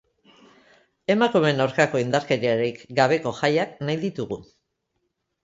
Emakumeen aurkako indarkeriarik gabeko jaiak nahi ditugu.